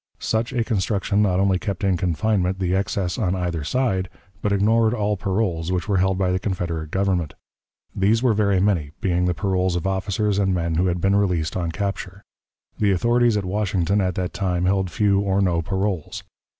Such a construction not only kept in confinement the excess on either side, but ignored all paroles which were held by the Confederate Government. These were very many, being the paroles of officers and men who had been released on capture. The authorities at Washington at that time held few or no paroles.